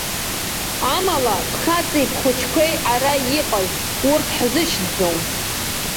Амала бхаҵеи бхәыҷқәеи ара иҟаз, урҭ ҳзышьҭӡом.